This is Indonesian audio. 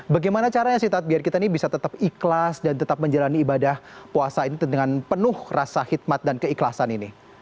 bagaimana caranya sih tat biar kita ini bisa tetap ikhlas dan tetap menjalani ibadah puasa ini dengan penuh rasa khidmat dan keikhlasan ini